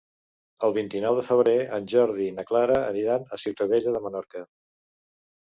El vint-i-nou de febrer en Jordi i na Clara aniran a Ciutadella de Menorca.